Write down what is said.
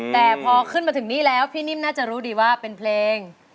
แต่พอขึ้นมาถึงนี่แล้วพี่นิ่มน่าจะรู้ดีว่าเป็นเพลง